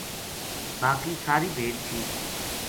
باقی ساری بھیڈ ٹھیک تھی